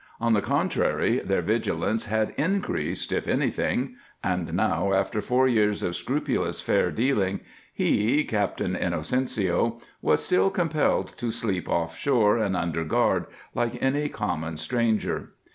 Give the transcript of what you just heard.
On the contrary, their vigilance had increased, if anything, and now, after four years of scrupulous fair dealing, he, Captain Inocencio, was still compelled to sleep offshore and under guard, like any common stranger.